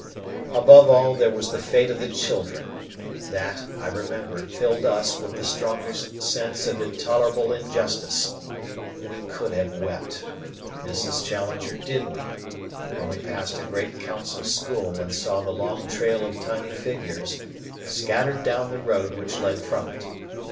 Above all, there was the fate of the children. That, I remember, filled us with the strongest sense of intolerable injustice. We could have wept Mrs. Challenger did weep when we passed a great council school and saw the long trail of tiny figures scattered down the road which led from it.